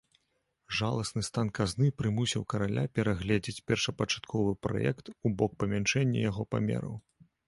Жаласны стан казны прымусіў караля перагледзець першапачатковы праект у бок памяншэння яго памераў.